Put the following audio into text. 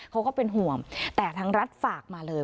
ก็เป็นห่วงแต่ทางรัฐฝากมาเลย